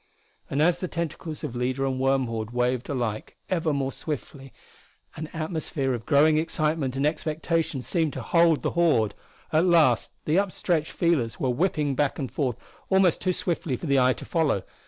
And as the tentacles of leader and worm horde waved alike ever more swiftly an atmosphere of growing excitement and expectation seemed to hold the horde. At last the upstretched feelers were whipping back and forth almost too swiftly for the eye to follow.